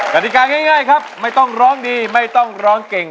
นาฬิกาง่ายครับไม่ต้องร้องดีไม่ต้องร้องเก่ง